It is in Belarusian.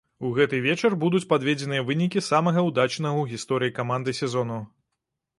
У гэты вечар будуць падведзеныя вынікі самага ўдачнага ў гісторыі каманды сезону.